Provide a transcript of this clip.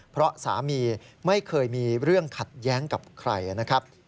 เพราะสามีไม่เคยมีเรื่องขัดแย้งกับใครนะครับ